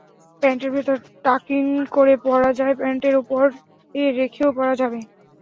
প্যান্টের ভেতরে টাক-ইন করে পরা যায়, প্যান্টের ওপরে রেখেও পরা যাবে।